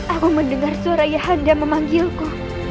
aku mendengar suara ayah anda memanggilku